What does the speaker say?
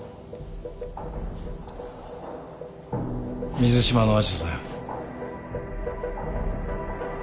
水島のアジトだよ。